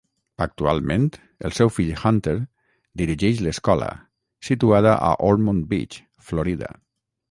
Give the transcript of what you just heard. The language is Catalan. Actualment, el seu fill Hunter dirigeix l'escola, situada a Ormond Beach, Florida.